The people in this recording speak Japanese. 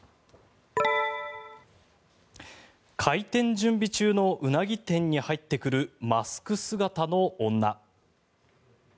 開店準備中のウナギ店に入ってくるマスク姿の女。